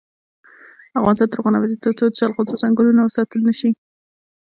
افغانستان تر هغو نه ابادیږي، ترڅو د جلغوزو ځنګلونه وساتل نشي.